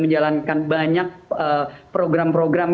menjalankan banyak program program